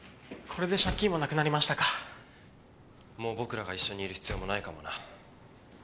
もう僕らが一緒にいる必要もないかもな。